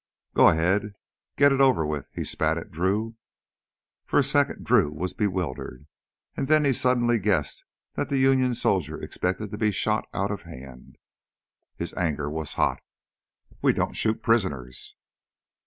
"Go ahead, get it over with!" He spat at Drew. For a second Drew was bewildered, and then he suddenly guessed that the Union soldier expected to be shot out of hand. His anger was hot. "We don't shoot prisoners!"